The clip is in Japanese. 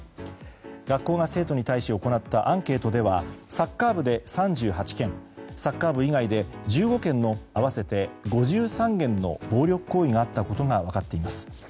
学校が生徒に対し行ったアンケートではサッカー部で３８件サッカー部以外で１５件の合わせて５３件の暴力行為があったことが分かっています。